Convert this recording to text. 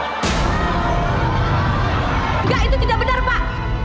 enggak itu tidak benar pak